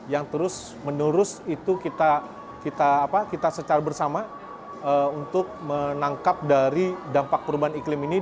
yang terus menerus itu kita secara bersama untuk menangkap dari dampak perubahan iklim ini